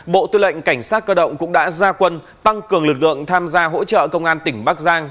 bộ tư lệnh cảnh sát cơ động cũng đã ra quân tăng cường lực lượng tham gia hỗ trợ công an tỉnh bắc giang